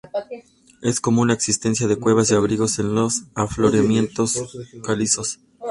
Es común la existencia de cuevas y abrigos en los afloramientos calizos.